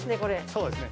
そうですね。